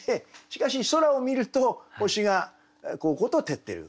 しかし空を見ると星がこうこうと照ってる。